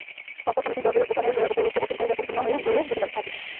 অপর খণ্ডটি যবের ঊঠানের উপর রৌপ্য বর্ষণ করে—যা পরিপূর্ণ হয়ে গড়িয়ে যেতে থাকে।